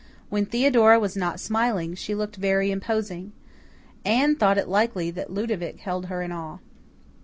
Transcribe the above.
When Theodora was not smiling, she looked very imposing. Anne thought it likely that Ludovic held her in awe.